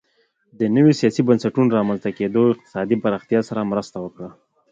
د نویو سیاسي بنسټونو رامنځته کېدو اقتصادي پراختیا سره مرسته وکړه